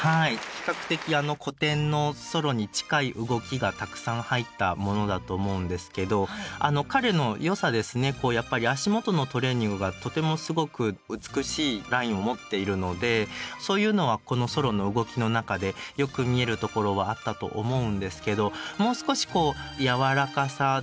比較的古典のソロに近い動きがたくさん入ったものだと思うんですけど彼の良さですねやっぱり足元のトレーニングがとてもすごく美しいラインを持っているのでそういうのはこのソロの動きの中でよく見えるところはあったと思うんですけどもう少しこうやわらかさですよね